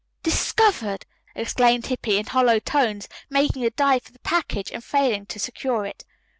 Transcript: "Discovered!" exclaimed Hippy in hollow tones, making a dive for the package and failing to secure it.